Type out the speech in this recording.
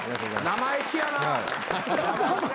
生意気やな。